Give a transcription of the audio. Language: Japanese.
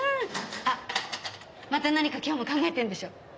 あっまた何か今日も考えてるんでしょ？